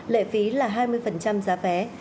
lệ phí là hai mươi giá vé